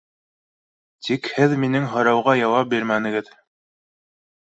Тик һеҙ минең һорау- га яуап бирмәнегеҙ